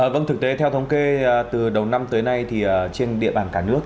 vâng thực tế theo thống kê từ đầu năm tới nay thì trên địa bàn cả nước